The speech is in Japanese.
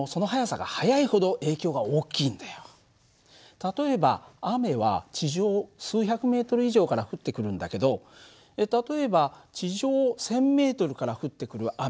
例えば雨は地上数百ｍ以上から降ってくるんだけど例えば地上１，０００ｍから降ってくる雨